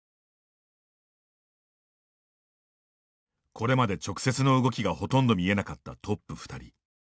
これまで直接の動きがほとんど見えなかったトップ２人。